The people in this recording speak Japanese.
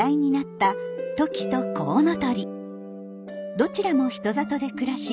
どちらも人里で暮らし